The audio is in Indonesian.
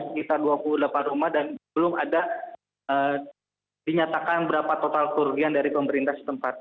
sekitar dua puluh delapan rumah dan belum ada dinyatakan berapa total kerugian dari pemerintah setempat